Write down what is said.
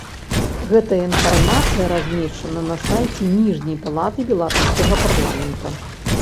Гэтая інфармацыя размешчана на сайце ніжняй палаты беларускага парламента.